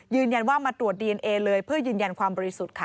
ยืนยันว่ามาตรวจดีเอนเอเลยเพื่อยืนยันความบริสุทธิ์ค่ะ